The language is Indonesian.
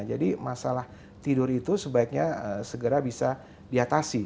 jadi masalah tidur itu sebaiknya segera bisa diatasi